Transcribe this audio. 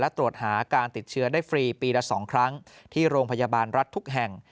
และตรวจหาการติดเชื้อได้ฟรีปีละ๒ครั้งที่โรงพยาบาลรัฐทุกแห่ง